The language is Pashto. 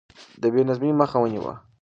ده د بې نظمۍ مخه ونيوه.